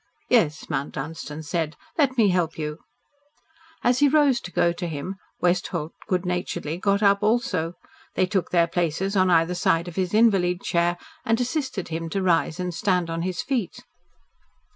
"Yes," Mount Dunstan said. "Let me help you." As he rose to go to him, Westholt good naturedly got up also. They took their places at either side of his invalid chair and assisted him to rise and stand on his feet.